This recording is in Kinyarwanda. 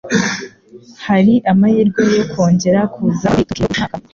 Hari amahirwe yo kongera kuza muri Tokiyo uyu mwaka?